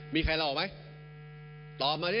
มีใครหลอกไหมตอบมาดิ